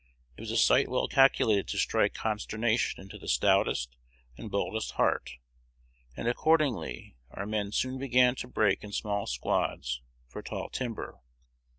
It was a sight well calculated to strike consternation into the stoutest and boldest heart; and accordingly our men soon began to break in small squads for tall timber.